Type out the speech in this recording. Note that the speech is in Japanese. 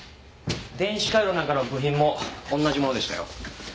電子回路なんかの部品も同じものでしたよ。